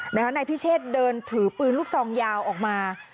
นายพิเชษเดินถือปืนลูกซองยาวออกมา